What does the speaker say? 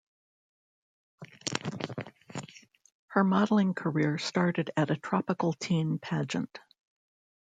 Her modeling career started at a Tropical Teen pageant.